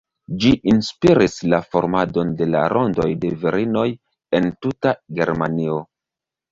Ĝi inspiris la formadon de la rondoj de virinoj en tuta Germanio.